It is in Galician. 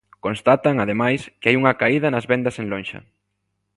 Constatan, ademais, que hai unha caída nas vendas en lonxa.